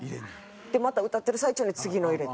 また歌ってる最中に次のを入れて。